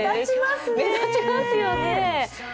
目立ちますね。